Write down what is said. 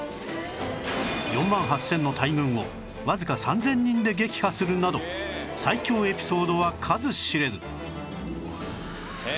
４万８０００の大軍をわずか３０００人で撃破するなど最強エピソードは数知れず